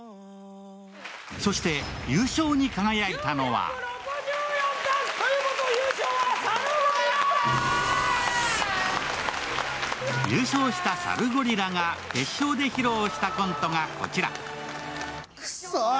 そして優勝に輝いたのは優勝したサルゴリラが決勝で披露したコントがこちら。